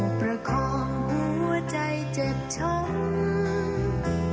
ประคองหัวใจเจ็บช้ำ